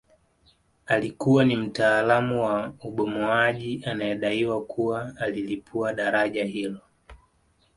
Alikuwa ni mtaalamu wa ubomoaji anayedaiwa kuwa alilipua daraja hilo